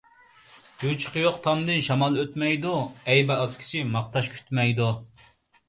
يوچۇقى يوق تامدىن شامال ئۆتمەيدۇ، ئەيىبى ئاز كىشى ماختاش كۈتمەيدۇ.